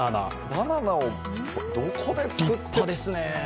バナナをどこで作って立派ですね。